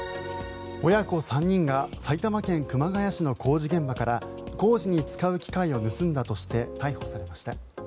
親子３人が埼玉県熊谷市の工事現場から工事に使う機械を盗んだとして逮捕されました。